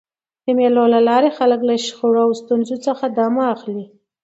د مېلو له لاري خلک له شخړو او ستونزو څخه دمه اخلي.